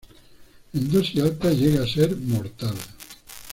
En dosis altas llega a ser mortal.